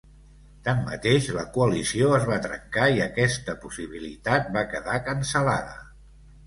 Tanmateix, la coalició es va trencar i aquesta possibilitat va quedar cancel·lada.